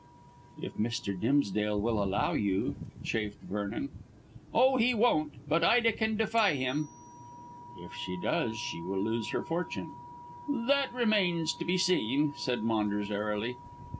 "If Mr. Dimsdale will allow you," chafed Vernon. "Oh, he won't; but Ida can defy him." "If she does she will lose her fortune." "That remains to be seen," said Maunders airily.